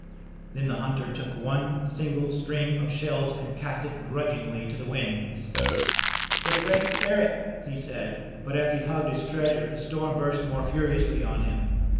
Then the hunter took one single string of shells and cast it grudgingly to the winds. 'Tor the Great Spirit," he said. But as he hugged his treasure the storm burst more furiously on him.